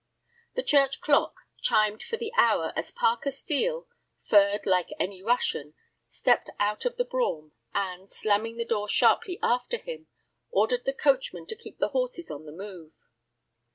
The church clock chimed for the hour as Parker Steel, furred like any Russian, stepped out of the brougham, and, slamming the door sharply after him, ordered the coachman to keep the horses on the move.